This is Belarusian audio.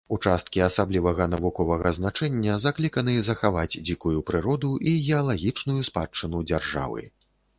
Участкі асаблівага навуковага значэння закліканы захаваць дзікую прыроду і геалагічную спадчыну дзяржавы.